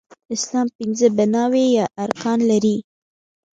اسلام پنځه بناوې يا ارکان لري